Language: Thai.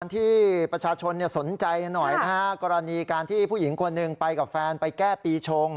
ที่ประชาชนสนใจหน่อยนะฮะกรณีการที่ผู้หญิงคนหนึ่งไปกับแฟนไปแก้ปีชง